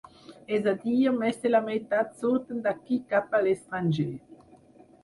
És a dir, més de la meitat surten d’aquí cap a l’estranger.